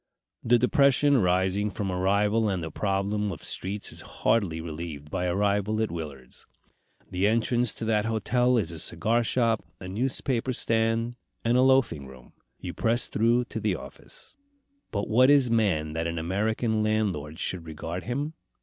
The depression arising from arrival and the problem of streets is hardly relieved by arrival at Willard's. The entrance to that hotel is a cigar shop, a newspaper stand, and a loafing room. You press through to the office. But what is man that an American landlord should regard him?